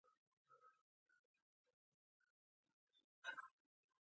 عبادتونه لکه تمرینونه دي.